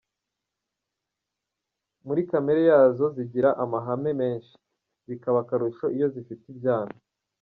Muri kamere yazo zigira amahane menshi, bikaba akarusho iyo zifite ibyana.